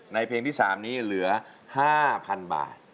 เพลงที่๓นี้เหลือ๕๐๐๐บาท